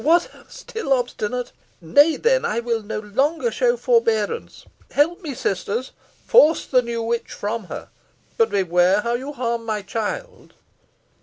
What, still obstinate? Nay, then, I will no longer show forbearance. Help me, sisters. Force the new witch from her. But beware how you harm my child."